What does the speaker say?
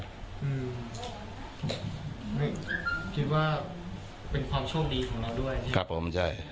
นี่คิดว่าเป็นความโชคดีของเราด้วย